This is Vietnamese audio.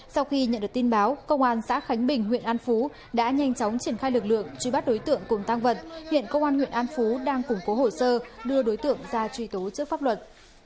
sau khi nhận được tin báo công an xã khánh bình huyện an phú đã nhanh chóng triển khai lực lượng truy bắt đối tượng cùng tăng vật hiện công an huyện an phú đang củng cố hồ sơ đưa đối tượng ra truy tố trước pháp luật